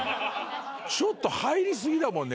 ちょっと入り過ぎだもんね